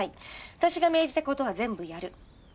私が命じた事は全部やる。